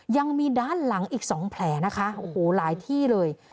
ยังมีด้านหลังอีก๒แผลนะคะโอ้โหหลายที่เลย